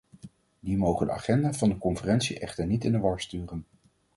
Die mogen de agenda van de conferentie echter niet in de war sturen.